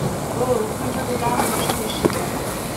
Oh ! combien de larmes aurais-je séchées !…